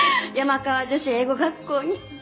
山川女子英語学校に。